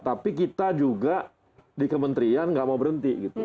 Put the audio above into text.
tapi kita juga di kementerian nggak mau berhenti gitu